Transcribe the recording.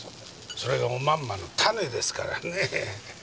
それがおまんまの種ですからね。